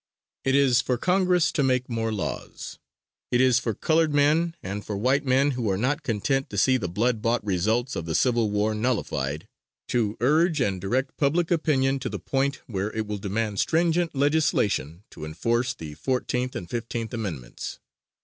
It is for Congress to make more laws. It is for colored men and for white men who are not content to see the blood bought results of the Civil War nullified, to urge and direct public opinion to the point where it will demand stringent legislation to enforce the Fourteenth and Fifteenth Amendments.